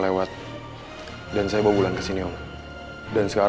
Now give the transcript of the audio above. gue soalnya mau ke toilet bentar